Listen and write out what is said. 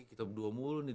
kita berdua mulu nih